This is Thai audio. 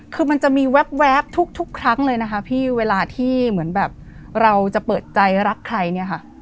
คือมันจะมีแว๊บทุกครั้งเลยนะคะพี่เวลาที่เหมือนแบบเราจะเปิดใจรักใครเนี่ยค่ะ